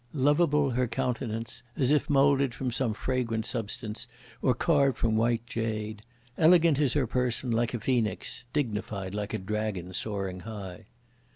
Loveable her countenance, as if moulded from some fragrant substance, or carved from white jade; elegant is her person, like a phoenix, dignified like a dragon soaring high.